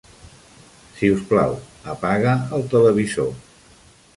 Si us plau, apaga el televisor.